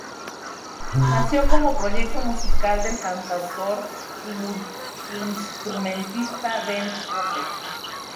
Nació como proyecto musical del cantautor y multiinstrumentista Ben Cooper.